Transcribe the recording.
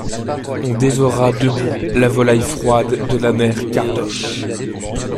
On dévora debout la volaille froide de la mère Cardoche.